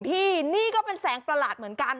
พี่นี่ก็เป็นแสงประหลาดเหมือนกัน